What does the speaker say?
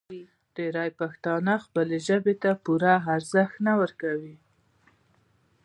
ډېری پښتانه خپلې ژبې ته پوره ارزښت نه ورکوي.